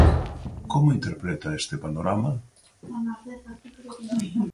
Como interpreta este panorama?